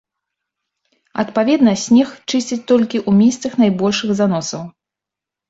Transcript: Адпаведна, снег чысцяць толькі ў месцах найбольшых заносаў.